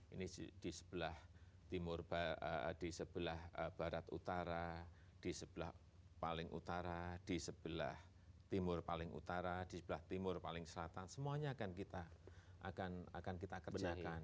ini di sebelah barat utara di sebelah paling utara di sebelah timur paling utara di sebelah timur paling selatan semuanya akan kita kerjakan